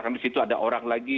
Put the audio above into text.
karena di situ ada orang lagi